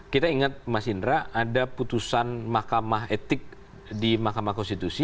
kita ingat mas indra ada putusan mahkamah etik di mahkamah konstitusi